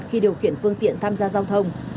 khi điều khiển phương tiện tham gia giao thông